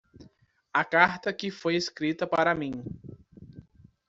A carta que foi escrita para mim